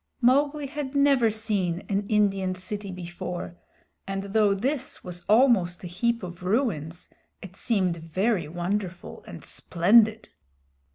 Mowgli had never seen an Indian city before, and though this was almost a heap of ruins it seemed very wonderful and splendid.